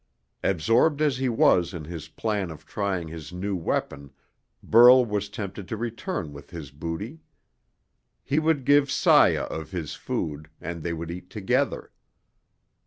Absorbed as he was in his plan of trying his new weapon, Burl was tempted to return with his booty. He would give Saya of this food, and they would eat together.